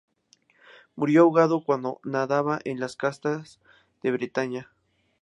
Murió ahogado cuando nadaba en las costas de Bretaña.